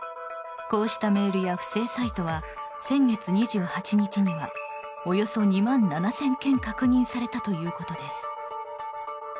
こうしたメールや不正サイトは先月２８日にはおよそ２万７０００件確認されたということです。